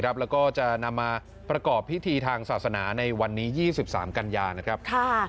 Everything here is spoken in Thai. แล้วก็จะนำมาประกอบพิธีทางศาสนาในวันนี้๒๓กันยานะครับ